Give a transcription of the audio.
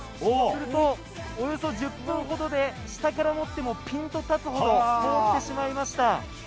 そうすると、およそ１０分ほどで下から持ってもピンと立つほど凍ってしまいました。